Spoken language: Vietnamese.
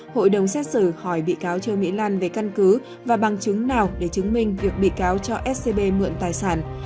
hội đồng xét xử hỏi bị cáo trương mỹ lan về căn cứ và bằng chứng nào để chứng minh việc bị cáo cho scb mượn tài sản